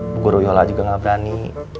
bu guru yola juga gak berani